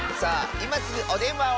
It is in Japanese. いますぐおでんわを！